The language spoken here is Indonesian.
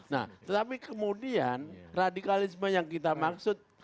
nah tetapi kemudian radikalisme yang kita maksud